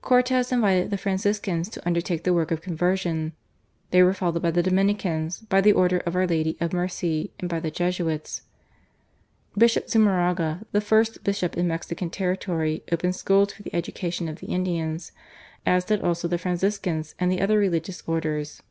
Cortes invited the Franciscans to undertake the work of conversion. They were followed by the Dominicans, by the Order of Our Lady of Mercy and by the Jesuits. Bishop Zumarraga, the first bishop in Mexican territory, opened schools for the education of the Indians, as did also the Franciscans and the other religious orders.